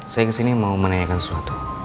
saya kesini mau menanyakan sesuatu